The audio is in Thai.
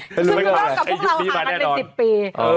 จูด้งกับพวกเราหากันเป็น๑๐ปี